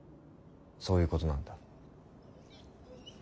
そういうことなんだ。